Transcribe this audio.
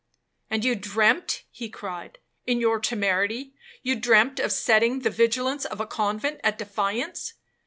'And you dreamt,' he cried, 'in your temerity, you dreamt of setting the vigilance of a convent at defiance?